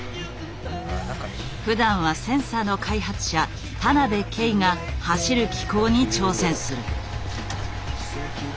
ふだんはセンサーの開発者田邊圭が走る機構に挑戦する。